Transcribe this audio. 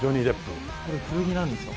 これ古着なんですよ。